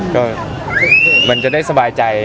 ก็มันจะได้สบายใจ